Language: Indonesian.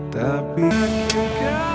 tapi aku gak mau